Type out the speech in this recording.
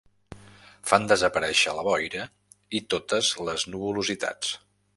Fan desaparèixer la boira i totes les nuvolositats.